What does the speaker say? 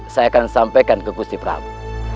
saya akan sampaikan ke kursi prabu